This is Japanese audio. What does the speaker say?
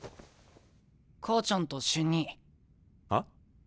母ちゃんと瞬兄。は？